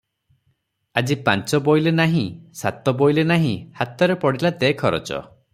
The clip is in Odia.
ଆଜି ପାଞ୍ଚ ବୋଇଲେ ନାହିଁ, ସାତ ବୋଇଲେ ନାହିଁ, ହାତରେ ପଡିଲା ଦେ ଖରଚ ।